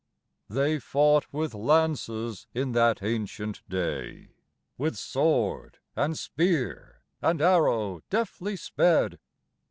They fought with lances in that ancient day, With sword and spear and arrow deftly sped.